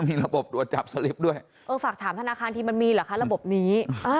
มีระบบตรวจจับสลิปด้วยเออฝากถามธนาคารทีมันมีเหรอคะระบบนี้